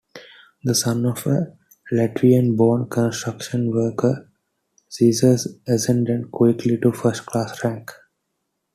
The son of a Latvian-born construction worker, Zesers ascended quickly to first-class ranks.